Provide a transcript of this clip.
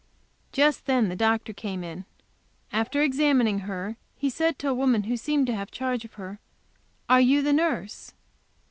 Just then the doctor came in. After examining her, he said to a woman who seemed to have charge of her: "Are you the nurse?"